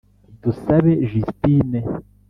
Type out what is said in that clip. Dusabe Justine